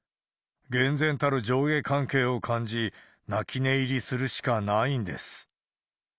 厳然たる上下関係を感じ、泣き寝入りするしかないんです。